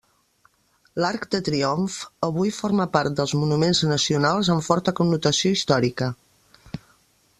L'Arc de triomf avui forma part dels monuments nacionals amb forta connotació històrica.